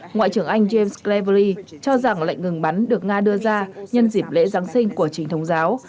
ngoại trưởng anh james cleverley cho rằng lệnh ngừng bắn được nga đưa ra nhân dịp lễ giáng sinh của chính thông giáo